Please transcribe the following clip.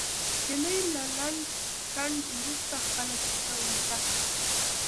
هیلې له لنډ ځنډ وروسته خپله کیسه اوږده کړه